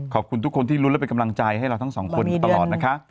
ขอบคุณทุกคนที่ลุ้นและเป็นกำลังใจให้เราทั้งสองคนตลอดนะคะ